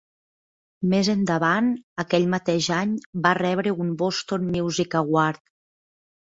Més endavant, aquell mateix any va rebre un Boston Music Award.